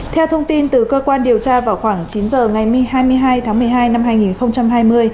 theo thông tin từ cơ quan điều tra vào khoảng chín h ngày hai mươi hai tháng một mươi hai năm hai nghìn hai mươi